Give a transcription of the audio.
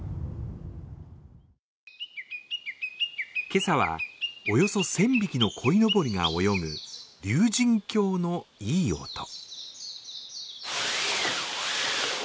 今朝はおよそ１０００匹のこいのぼりが泳ぐ竜神峡のいい音。